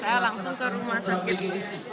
saya langsung ke rumah sakit